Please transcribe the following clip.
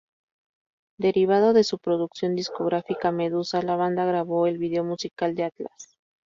Derivado de su producción discográfica Medusa, la banda grabó el video musical de "Atlas".